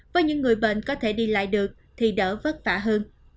với những người bệnh có thể đi lại được thì đỡ vất vả hơn